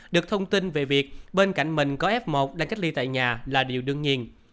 được thông tin về việc bên cạnh mình có f một đang cách ly tại nhà là điều đương nhiên